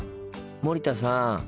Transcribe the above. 森田さん